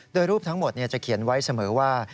โดยรูปทั้งหมดจะเขียนไว้เสมอว่า